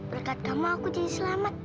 berkat kamu aku jadi selamat